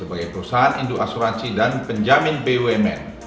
sebagai perusahaan induk asuransi dan penjamin bumn